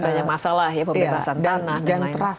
banyak masalah ya pembebasan tanah dan lain lain